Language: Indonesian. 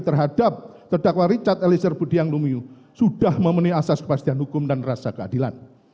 terhadap terdakwa richard eliezer budiang lumiu sudah memenuhi asas kepastian hukum dan rasa keadilan